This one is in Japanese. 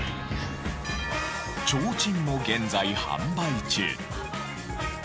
ちょうちんも現在販売中。